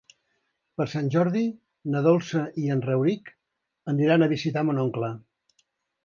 Per Sant Jordi na Dolça i en Rauric aniran a visitar mon oncle.